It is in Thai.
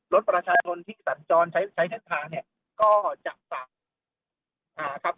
รถประชาชนที่สัญจรใช้ใช้เส้นทางเนี่ยก็จะสั่งอ่าครับ